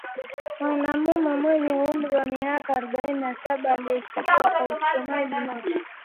Mwanamume mwenye umri wa miaka arobaini na saba aliyeshtakiwa kwa uchomaji moto